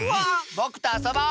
ぼくとあそぼう！